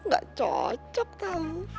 gak cocok tau